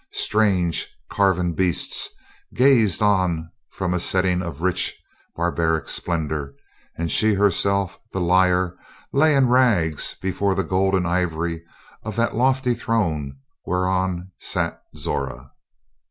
Strange carven beasts gazed on from a setting of rich, barbaric splendor and she herself the Liar lay in rags before the gold and ivory of that lofty throne whereon sat Zora.